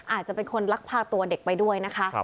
อาจจะเป็นคนลักพาตัวเด็กไปด้วยนะคะ